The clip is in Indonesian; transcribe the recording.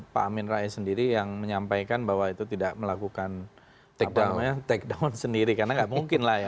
pak amin rais sendiri yang menyampaikan bahwa itu tidak melakukan take down sendiri karena nggak mungkin lah ya